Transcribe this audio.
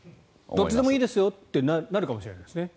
どっちでもいいですよとなるかもしれないですね。